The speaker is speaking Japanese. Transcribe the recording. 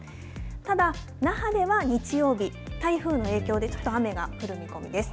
ただ、那覇では日曜日、台風の影響で、ちょっと雨が降る見込みです。